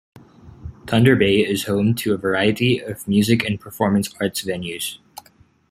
Thunder Bay is home to a variety of music and performance arts venues.